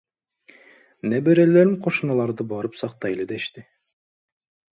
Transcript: Неберелерим кошуналарды барып сактайлы дешти.